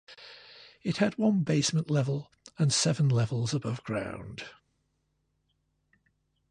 It had one basement level and seven levels above ground.